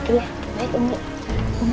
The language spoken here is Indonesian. iya baik umi